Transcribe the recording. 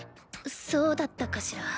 そうだったかしら？